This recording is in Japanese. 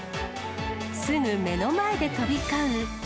すぐ目の前で飛び交う。